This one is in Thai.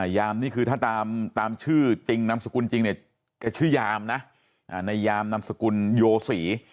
ยามนี่คือถ้าตามชื่อจริงนามสกุลจริงเนี่ยแกชื่อยามนะในยามนามสกุลโยศรี